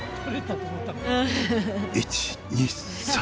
１、２、３。